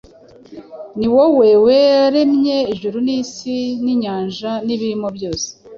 ni wowe waremye ijuru n’isi n’inyanja n’ibirimo byose,